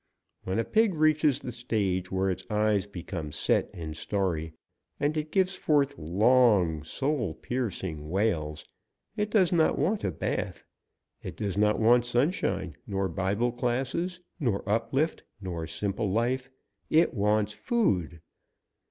When a pig reaches the stage where its eyes become set and stary, and it gives forth long, soul piercing wails, it does not want a bath. It does not want sunshine, nor Bible classes, nor uplift, nor simple life. It wants food.